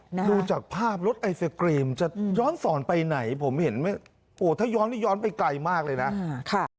ดูจากภาพรถไอศกรีมจะย้อนสอนไปไหนผมเห็นไหมโอ้ถ้าย้อนนี่ย้อนไปไกลมากเลยนะ